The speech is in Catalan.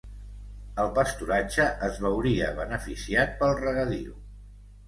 El pasturatge es veuria beneficiat pel regadiu.